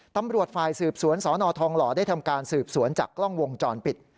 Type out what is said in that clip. ตำรวจฝ่ายสืบสวนสนทองหล่อได้ทำการสืบสวนจากกล้องวงจรปิด